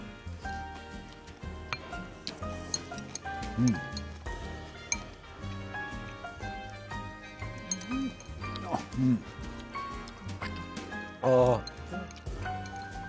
うん。ああ。